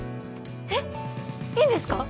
えいいんですか？